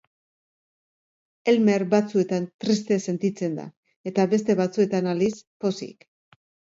Elmer, batzuetan, triste sentitzen da eta, beste batzuetan aldiz, pozik.